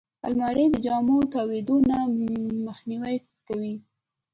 الماري د جامو تاویدو نه مخنیوی کوي